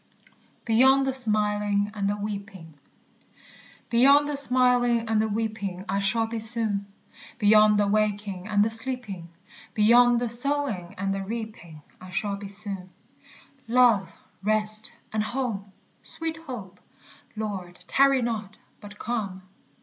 BEYOND THE SMILING AND THE WEEPING. Beyond the smiling and the weeping I shall be soon; Beyond the waking and the sleeping, Beyond the sowing and the reaping, I shall be soon. _Love, rest, and home! Sweet hope! Lord, tarry not, but come.